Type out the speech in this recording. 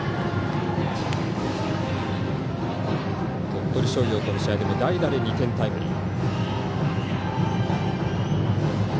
鳥取商業との試合も代打で２点タイムリー。